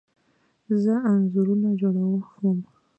زه انځورونه جوړه وم